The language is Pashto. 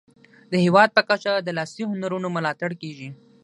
د هیواد په کچه د لاسي هنرونو ملاتړ کیږي.